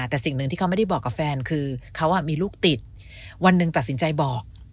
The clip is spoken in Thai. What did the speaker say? แต่สิ่งหนึ่งที่เขาไม่ได้บอกกับแฟนคือเขามีลูกติดวันหนึ่งตัดสินใจบอก